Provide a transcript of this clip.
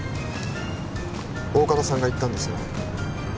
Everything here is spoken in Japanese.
大加戸さんが言ったんですよ